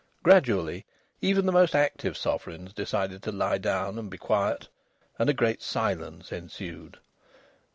Gradually even the most active sovereigns decided to lie down and be quiet, and a great silence ensued.